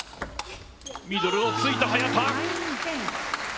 ミドルをついた、早田。